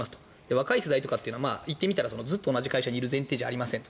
若い世代というのは言ってみたらずっと同じ会社にいる前提じゃありません。